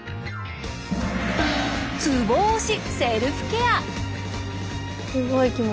ツボ押しセルフケア！